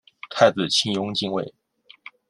太子庆膺继位。